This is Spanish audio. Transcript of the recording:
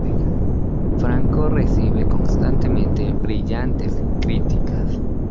Franco recibe constantemente brillantes críticas.